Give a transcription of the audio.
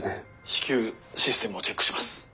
至急システムをチェックします。